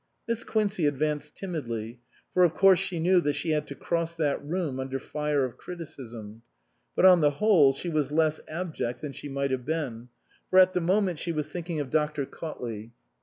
Miss Quincey advanced timidly, for of course she knew that she had to cross that room under fire of criticism ; but on the whole she was less abject than she might have been, for at the moment she was thinking of Dr. Caut T.S.Q. 257 s SUPERSEDED ley.